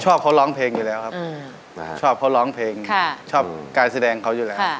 ชอบเขาร้องเพลงอยู่แล้วครับชอบเขาร้องเพลงชอบการแสดงเขาอยู่แล้ว